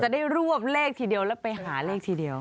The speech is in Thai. ได้รวบเลขทีเดียวแล้วไปหาเลขทีเดียว